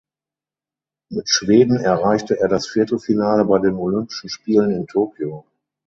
Mit Schweden erreichte er das Viertelfinale bei den Olympischen Spielen in Tokio.